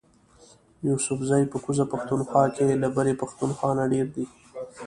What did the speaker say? یوسفزي په کوزه پښتونخوا کی له برۍ پښتونخوا نه ډیر دي